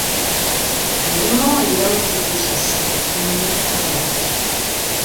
Le démon ayant été chassé, le muet parla.